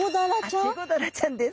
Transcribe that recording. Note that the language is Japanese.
あっチゴダラちゃんです